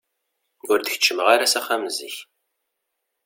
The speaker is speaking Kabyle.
Ur d-keččmeɣ ara s axxam zik.